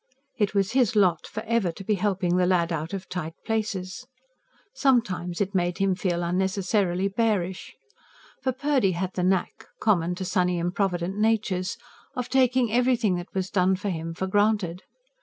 It was his lot for ever to be helping the lad out of tight places. Sometimes it made him feel unnecessarily bearish. For Purdy had the knack, common to sunny, improvident natures, of taking everything that was done for him for granted.